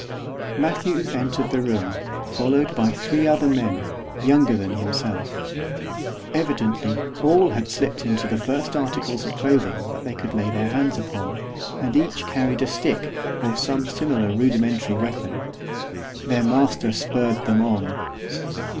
Matthews entered the room, followed by three other men, younger than himself. Evidently all had slipped into the first articles of clothing they could lay their hands upon, and each carried a stick, or some similar rudimentary weapon. Their master spurred them on.